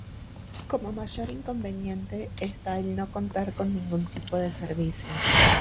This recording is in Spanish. Como mayor inconveniente está el no contar con ningún tipo de servicio.